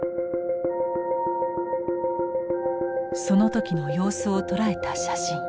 その時の様子を捉えた写真。